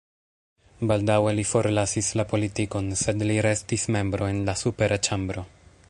Baldaŭe li forlasis la politikon, sed li restis membro en la supera ĉambro.